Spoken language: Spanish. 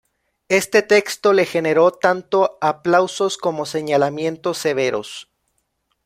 Este texto le generó tanto aplausos como señalamientos severos.